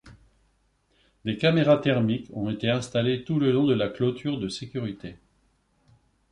Des caméras thermiques ont été installées tout le long de clôture de sécurité.